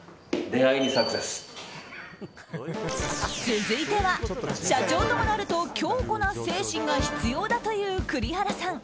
続いては社長ともなると強固な精神が必要だという栗原さん。